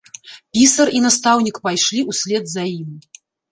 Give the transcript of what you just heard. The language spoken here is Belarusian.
Пісар і настаўнік пайшлі ўслед за ім.